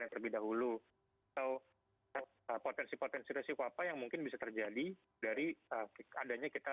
terlebih dahulu atau potensi potensi resiko apa yang mungkin bisa terjadi dari adanya kita